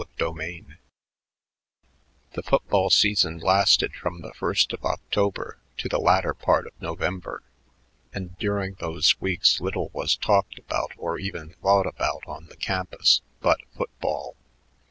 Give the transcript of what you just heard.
CHAPTER X The football season lasted from the first of October to the latter part of November, and during those weeks little was talked about, or even thought about, on the campus but football.